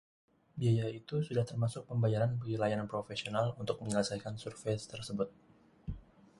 Biaya itu sudah termasuk pembayaran bagi layanan profesional untuk menyelesaikan survei tersebut.